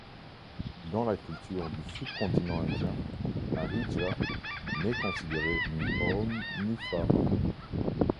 Dans la culture du sous-continent indien, un hijra n'est considéré ni homme ni femme.